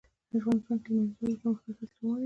افغانستان کې د لمریز ځواک د پرمختګ هڅې روانې دي.